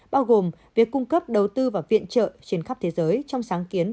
bao gồm việc cung cấp đầu tư và viện trợ trên khắp thế giới trong sáng kiến